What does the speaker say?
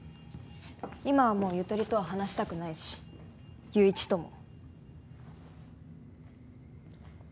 今はもうゆとりとは話したくないし友一とも。